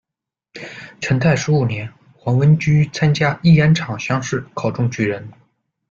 成泰十五年，黄文琚参加乂安场乡试，考中举人。